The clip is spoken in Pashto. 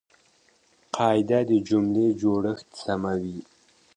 قاعده د جملې جوړښت سموي.